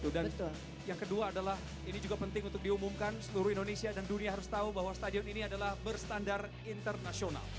dan yang kedua adalah ini juga penting untuk diumumkan seluruh indonesia dan dunia harus tahu bahwa stadion ini adalah berstandar internasional